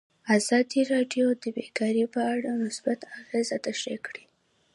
ازادي راډیو د بیکاري په اړه مثبت اغېزې تشریح کړي.